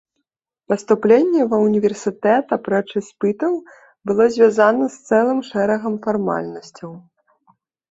Паступленне ва ўніверсітэт, апроч іспытаў, было звязана з цэлым шэрагам фармальнасцяў.